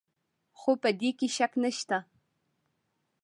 خو په دې کې شک نشته.